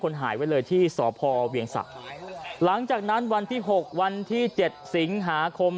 หายไว้เลยที่สพเวียงสะหลังจากนั้นวันที่หกวันที่เจ็ดสิงหาคม